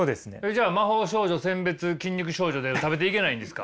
じゃあ「魔法少女殲滅筋肉少女」で食べていけないんですか？